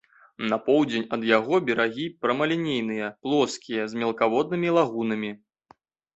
На поўдзень ад яго берагі прамалінейныя, плоскія, з мелкаводнымі лагунамі.